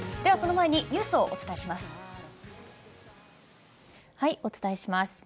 その前にニュースお伝えします。